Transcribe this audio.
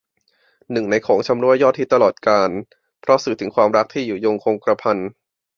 หนึ่งในของชำร่วยยอดฮิตตลอดกาล เพราะสื่อถึงความรักที่อยู่ยงคงกระพัน